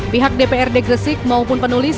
pihak dprd gresik maupun penulis